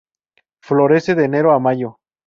Florece de enero a mayo.